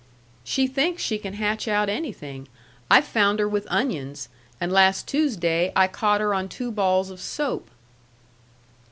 "She thinks she can hatch out anything. I've found her with onions, and last Tuesday I caught her on two balls of soap."